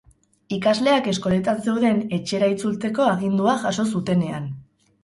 Ikasleak eskoletan zeuden etxera itzultzeko agindua jaso zutenean.